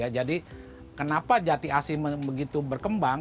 jadi kenapa jati asi begitu berkembang